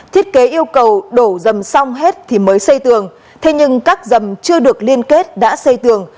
thiết kế yêu cầu đổ dầm xong hết thì mới xây tường thế nhưng các dầm chưa được liên kết đã xây tường